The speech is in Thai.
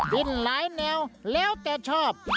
กินหลายแนวแล้วแต่ชอบ